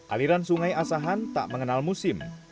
aliran sungai asahan tak mengenal musim